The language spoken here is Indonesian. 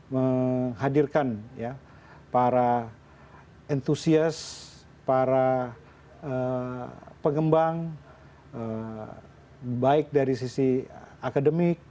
menghadirkan para entusias para pengembang baik dari sisi akademik